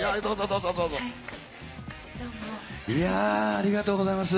ありがとうございます。